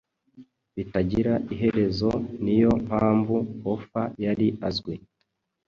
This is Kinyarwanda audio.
bitagira iherezo niyo mpamvu Offa yari azwi